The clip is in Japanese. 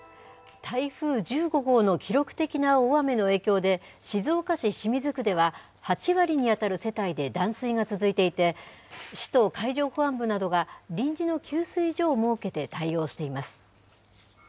台風１５号の記録的な大雨の影響で、静岡市清水区では、８割に当たる世帯で断水が続いていて、市と海上保安部などは、臨時の給水所を設けて対応しています。